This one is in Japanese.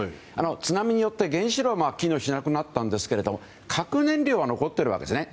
津波によって原子炉が機能しなくなったんですけど核燃料は残っているわけですね。